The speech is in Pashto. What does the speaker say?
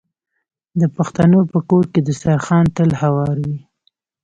د پښتنو په کور کې دسترخان تل هوار وي.